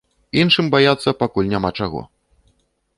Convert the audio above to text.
Іншым баяцца пакуль няма чаго.